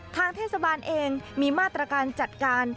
ทางเทศบาลเองมีมาตรการจัดการ